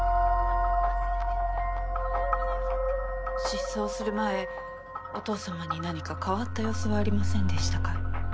失踪する前お父さまになにか変わった様子はありませんでしたか？